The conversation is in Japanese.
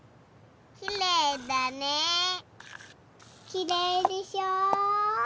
きれいでしょ？